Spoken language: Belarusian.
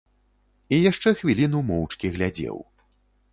І яшчэ хвіліну моўчкі глядзеў.